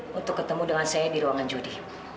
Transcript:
mau ketemu dengan saya di ruangan jodi